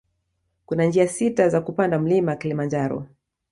Kuna njia sita za kupanda mlima kilimanjaro